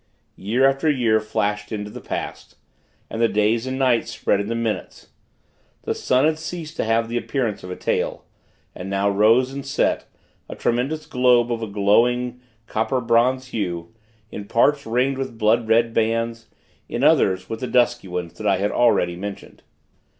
Year after year flashed into the past, and the days and nights spread into minutes. The sun had ceased to have the appearance of a tail; and now rose and set a tremendous globe of a glowing copper bronze hue; in parts ringed with blood red bands; in others, with the dusky ones, that I have already mentioned.